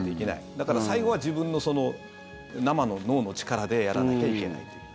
だから、最後は自分の生の脳の力でやらなきゃいけないという。